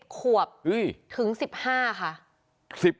ขวบถึง๑๕ค่ะ